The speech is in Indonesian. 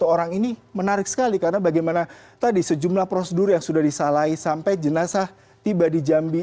tujuh orang ini menarik sekali karena bagaimana tadi sejumlah prosedur yang sudah disalahi sampai jenazah tiba di jambi